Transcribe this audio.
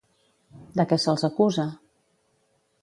De què se'ls acusa?